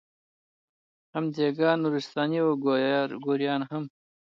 هم دېګان، نورستاني او ګوریان هم